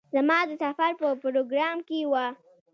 زما د سفر په پروگرام کې وه.